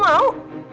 gue gak mau